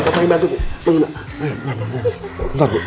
pokok batui ibu